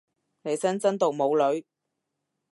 利申真毒冇女